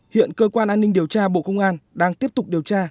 hiện cơ quan an ninh điều tra bộ công an đang tiếp tục điều tra